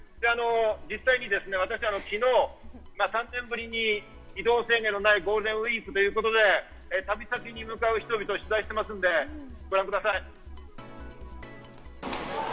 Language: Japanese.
実際に私、昨日、３年ぶりに移動制限のないゴールデンウイークということで旅に向けて出発する人々を取材しましたのでご覧ください。